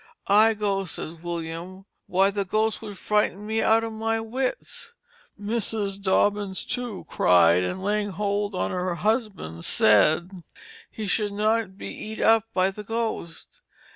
I go, says William, why the ghost would frighten me out of my wits. Mrs. Dobbins, too, cried, and laying hold on her husband said he should not be eat up by the ghost.